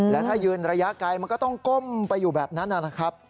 และถ้ายืนระยะไกลมันก็ต้องก้มไปอยู่แบบนั้นนะครับ